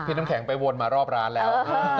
น้ำแข็งไปวนมารอบร้านแล้ว